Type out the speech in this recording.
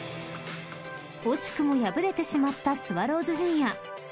［惜しくも敗れてしまったスワローズジュニア］